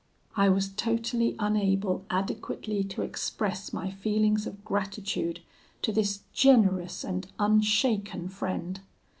"I was totally unable adequately to express my feelings of gratitude to this generous and unshaken friend.